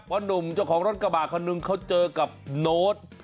หนุ่มเจ้าของรถกระบาดคนหนึ่งเขาเจอกับโน้ต